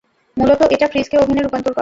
মূলত এটা ফ্রীজকে ওভেনে রূপান্তর করে।